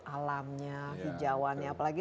alamnya hijauannya apalagi